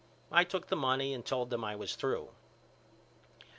I took the money and told them I was through.